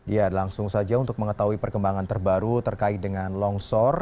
ya langsung saja untuk mengetahui perkembangan terbaru terkait dengan longsor